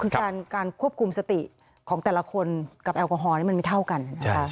คือการควบคุมสติของแต่ละคนกับแอลกอฮอลนี่มันไม่เท่ากันนะคะ